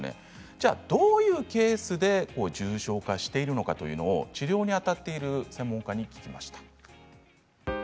ではどういうケースで重症化しているのかっていうのを治療にあたっている専門家に聞きました。